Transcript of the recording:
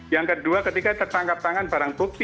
yang kedua ketika tertangkap tangan barang bukti